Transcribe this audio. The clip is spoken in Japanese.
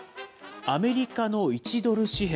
アメリカの１ドル紙幣。